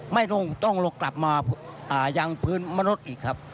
นุ่งต้องลงกลับมายังพื้นมนุษย์อีกครับ